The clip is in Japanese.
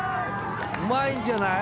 ・上手いんじゃない？